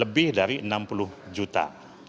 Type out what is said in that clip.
lebih dari enam puluh juta